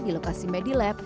di lokasi medilab